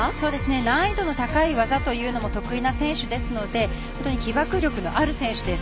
難易度の高い技というのが得意な選手ですので本当に起爆力のある選手です。